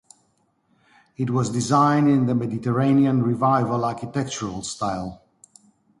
It was designed in the Mediterranean Revival architectural style.